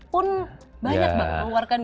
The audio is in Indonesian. pun banyak banget keluarkan